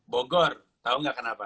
bogor tahu nggak kenapa